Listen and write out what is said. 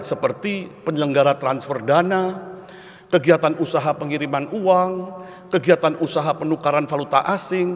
seperti penyelenggara transfer dana kegiatan usaha pengiriman uang kegiatan usaha penukaran valuta asing